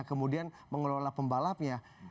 kemudian mengelola pembalapnya